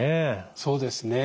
そうですね。